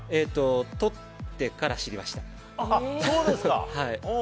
取ってから知りました。